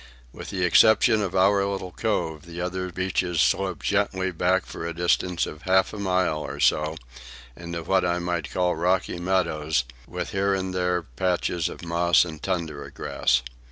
With the exception of our little cove, the other beaches sloped gently back for a distance of half a mile or so, into what I might call rocky meadows, with here and there patches of moss and tundra grass.